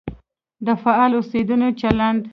د فعال اوسېدنې چلند.